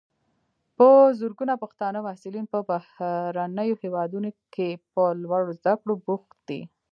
په زرګونو پښتانه محصلین په بهرنیو هیوادونو کې په لوړو زده کړو بوخت دي.